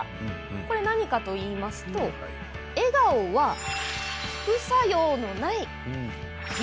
これ、何かといいますと「笑顔は副作用のない薬」。